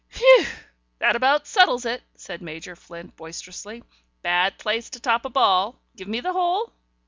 "Phew! That about settles it," said Major Flint boisterously. "Bad place to top a ball! Give me the hole?"